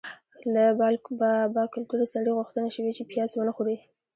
له باکلتوره سړي غوښتنه شوې چې پیاز ونه خوري.